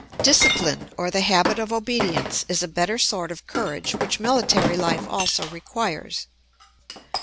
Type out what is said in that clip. Discipline, or the habit of obedience, is a better sort of courage which military life also requires.